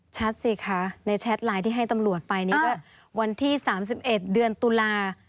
สิคะในแชทไลน์ที่ให้ตำรวจไปนี่ก็วันที่๓๑เดือนตุลา